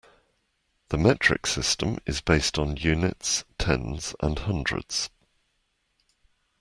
The metric system is based on units, tens and hundreds